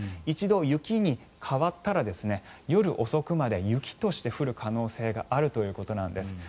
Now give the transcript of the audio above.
一度、雪に変わったら夜遅くまで雪として降る可能性があるということなんです。